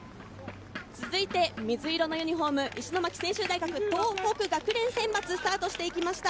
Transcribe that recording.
続いて水色のユニホーム、石巻専修大学、東北学連選抜スタートしていきました。